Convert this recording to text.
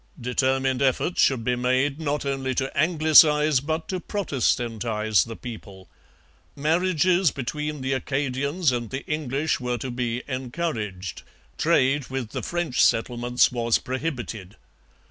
Determined efforts should be made, not only to Anglicize, but to Protestantize the people. Marriages between the Acadians and the English were to be encouraged. Trade with the French settlements was prohibited.